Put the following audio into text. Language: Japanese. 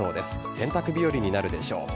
洗濯日和になるでしょう。